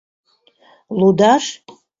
— Лудаш?